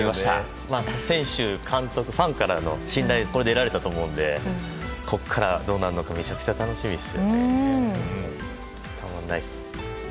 選手、監督、ファンからの信頼をこれで得られたと思うのでここからどうなるのかめちゃくちゃ楽しみです。